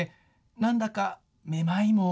なんだかめまいも。